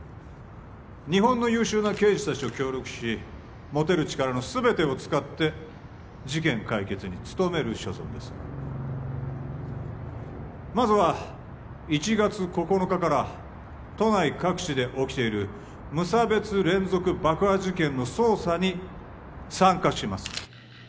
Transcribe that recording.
日本の優秀な刑事たちと協力し持てる力の全てを使って事件解決に努める所存ですまずは１月９日から都内各地で起きている無差別連続爆破事件の捜査に参加します・えっ！？